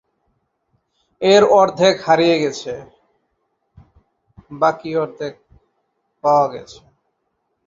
এর অর্ধেক হারিয়ে গেছে।